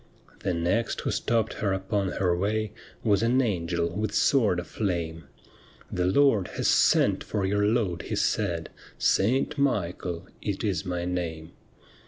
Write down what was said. The next who stopped her upon her way Was an angel with sword aflame :' The Lord has sent for your load/ he said, ' Saint Michael it is my name.'